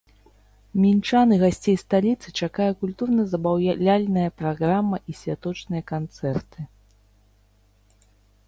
Мінчан і гасцей сталіцы чакае культурна-забаўляльная праграма і святочныя канцэрты.